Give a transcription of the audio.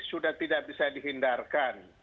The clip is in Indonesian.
sudah tidak bisa dihindarkan